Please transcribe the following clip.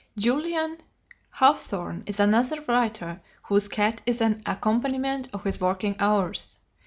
Julian Hawthorne is another writer whose cat is an accompaniment of his working hours.